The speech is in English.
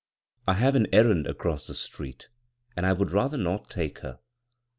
I have an errand across the street and I would rather not take her.